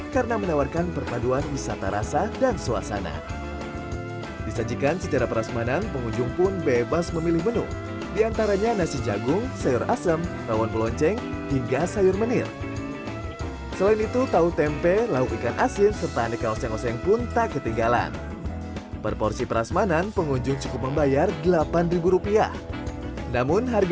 karena menawarkan perpaduan wisata rasa dan suasana